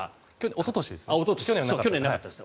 おととしですね。